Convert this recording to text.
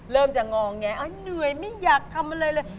เริ่มจะงอแงเหนื่อยไม่อยากทำอะไรเลย